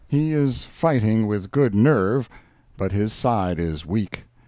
He is fighting with good nerve, but his side is weak.